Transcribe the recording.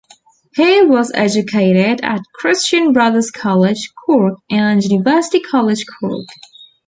He was educated at Christian Brothers College, Cork, and University College Cork.